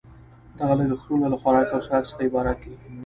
دغه لګښتونه له خوراک او څښاک څخه عبارت دي